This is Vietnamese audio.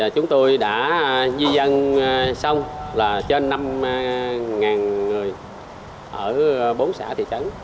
chúng tôi đã di dân xong là trên năm người ở bốn xã thị trấn